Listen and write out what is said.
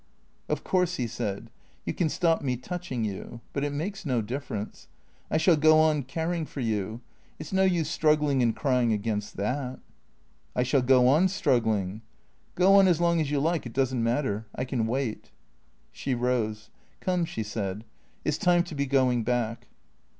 "Of course," he said, "you can stop me touching you. But it makes no difference. I shall go on caring for you. It 's no use struggling and crying against that." " I shall go on struggling." " Go on as long as you like. It does n't matter. I can wait." She rose. " Come," she said. " It 's time to be going back."